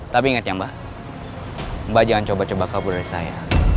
tapi ingat ya mbak mbak jangan coba coba kabur dari saya